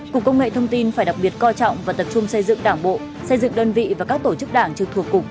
cục công nghệ thông tin phải đặc biệt coi trọng và tập trung xây dựng đảng bộ xây dựng đơn vị và các tổ chức đảng trực thuộc cục